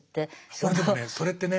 俺でもねそれってね